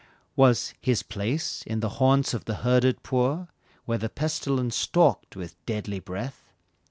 Was "his place" in the haunts of the herded poor, Where the pestilence stalked with deadly breath?